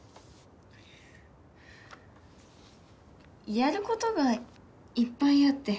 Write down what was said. やる事がいっぱいあって。